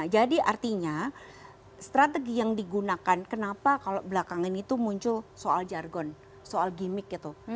jadi artinya strategi yang digunakan kenapa kalau belakangan itu muncul soal jargon soal gimmick gitu